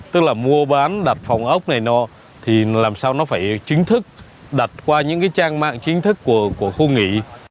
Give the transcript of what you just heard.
tức là mua bán đặt phòng ốc này nó thì làm sao nó phải chính thức đặt qua những cái trang mạng chính thức của khu nghỉ